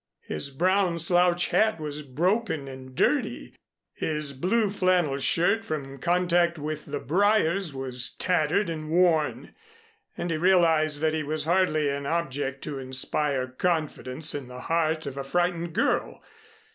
His brown slouch hat was broken and dirty, his blue flannel shirt from contact with the briers was tattered and worn, and he realized that he was hardly an object to inspire confidence in the heart of a frightened girl.